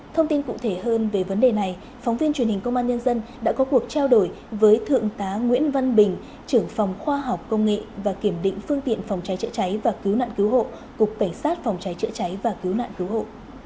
thông tin cụ thể hơn về vấn đề này phóng viên truyền hình công an nhân dân đã có cuộc trao đổi với thượng tá nguyễn văn bình trưởng phòng khoa học công nghệ và kiểm định phương tiện phòng cháy chữa cháy và cứu nạn cứu hộ cục cảnh sát phòng cháy chữa cháy và cứu nạn cứu hộ